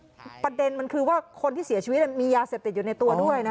ประเด็นมันคือว่าคนที่เสียชีวิตมียาเสพติดอยู่ในตัวด้วยนะ